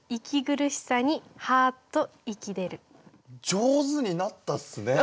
上手になったっすね！